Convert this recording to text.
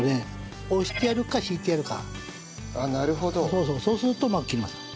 そうそうそうするとうまく切れます。